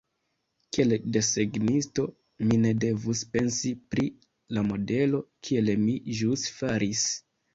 Kiel desegnisto, mi ne devus pensi pri la modelo, kiel mi ĵus faris.